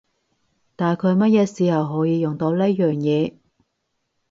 大概乜嘢時候可以用到呢樣嘢？